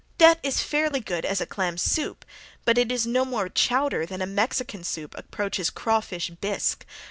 That is fairly good as a clam soup but it is no more chowder than a Mexican soup approaches a crawfish bisque.